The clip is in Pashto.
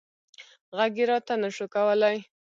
غږ یې راته نه شو کولی.